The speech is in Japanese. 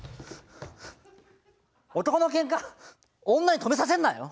男のけんか女に止めさせんなよ。